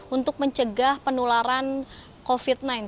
untuk mencegah penularan covid sembilan belas